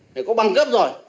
phải có băng cấp rồi